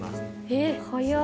えっ早い。